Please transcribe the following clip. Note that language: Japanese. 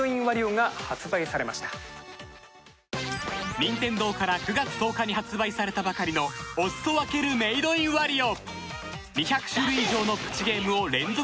任天堂から９月１０日に発売されたばかりの『おすそわけるメイドインワリオ』